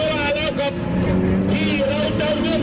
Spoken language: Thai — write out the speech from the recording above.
ภาคภูมิภาคภูมิ